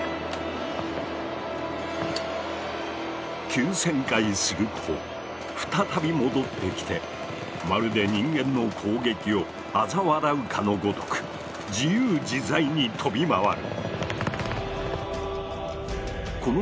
急旋回すると再び戻ってきてまるで人間の攻撃をあざ笑うかのごとく自由自在に飛び回る。